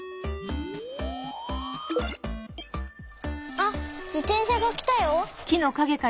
あっじてんしゃがきたよ。